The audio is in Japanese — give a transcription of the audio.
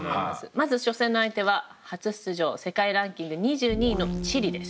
まず初戦の相手は初出場世界ランキング２２位のチリです。